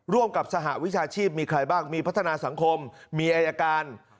ร่วมกับสหวิชาชีพมีใครบ้างมีพัฒนาสังคมมีอายการ